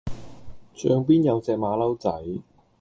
象邊有隻馬騮仔